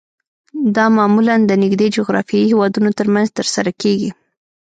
دا معمولاً د نږدې جغرافیایي هیوادونو ترمنځ ترسره کیږي